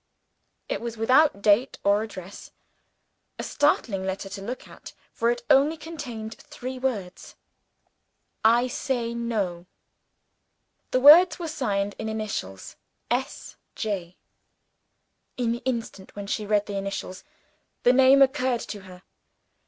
It was without date or address; a startling letter to look at for it only contained three words: "I say No." The words were signed in initials: "S. J." In the instant when she read the initials, the name occurred to her.